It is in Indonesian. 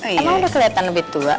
memang udah kelihatan lebih tua